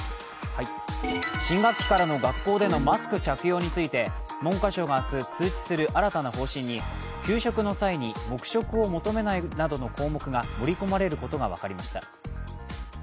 新学期からの学校でのマスク着用について文科省が明日通知する新たな方針に給食の際に黙食を求めないなどの項目が盛り込まれることが分かりました。